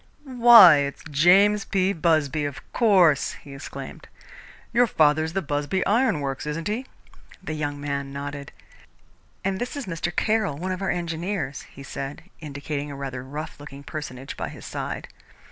"Why, it's James P. Busby, of course!" he exclaimed. "Your father's the Busby Iron Works, isn't he?" The young man nodded. "And this is Mr. Caroll, one of our engineers," he said, indicating a rather rough looking personage by his side.